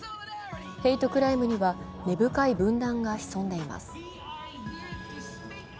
ヘイトクライムには根深い分断が潜んでいます。